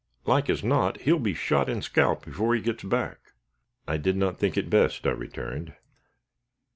Like as not he'll be shot and scalped before he gets back." "I did not think it best," I returned.